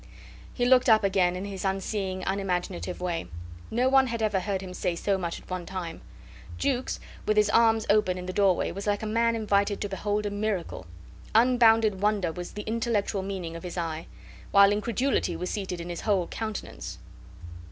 He looked up again in his unseeing, unimaginative way. No one had ever heard him say so much at one time. Jukes, with his arms open in the doorway, was like a man invited to behold a miracle. Unbounded wonder was the intellectual meaning of his eye, while incredulity was seated in his whole countenance.